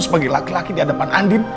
sebagai laki laki di hadapan andin